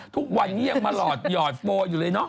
ทุกวันนี้ยังมาหลอดหยอดโฟลอยู่เลยเนาะ